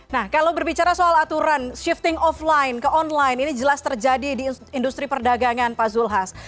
nah kalau berbicara soal aturan shifting offline ke online ini jelas terjadi di industri perdagangan pak zulhas